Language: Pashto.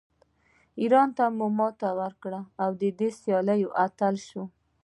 ایران ته ماتې ورکړه او د دې سیالۍ اتله شوه